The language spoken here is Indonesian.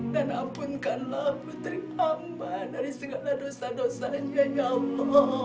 dan ampunkanlah putri hamba dari segala dosa dosanya ya allah